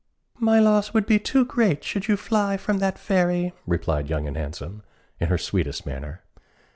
"My loss would be too great should you fly from that fairy," replied Young and Handsome, in her sweetest manner.